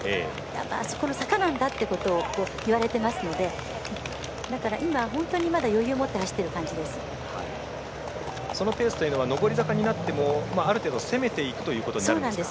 あそこの坂なんだということをいわれていますのでまだ余裕を持ってそのペースは上り坂になってもある程度攻めていくことになっていくんですか？